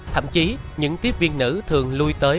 thậm chí những tiếp viên nữ thường lui tới